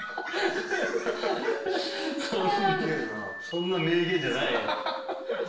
そんな名言じゃないよ。